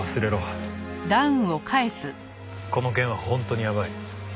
この件は本当にやばい。